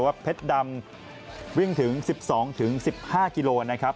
แต่ว่าเพชรดำวิ่งถึง๑๒๑๕กิโลกรัมนะครับ